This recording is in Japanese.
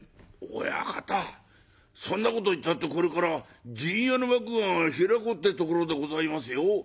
「親方そんなこと言ったってこれから『陣屋』の幕が開こうってところでございますよ。